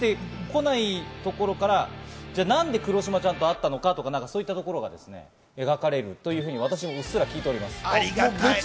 そこからなんで黒島ちゃんと会ったのかとか、そういうところが描かれるというふうに、私も聞いています。